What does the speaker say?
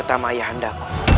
sama ayah anda